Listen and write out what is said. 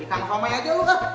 ditang somai aja lo kan